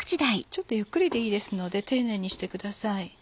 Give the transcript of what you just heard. ちょっとゆっくりでいいので丁寧にしてください。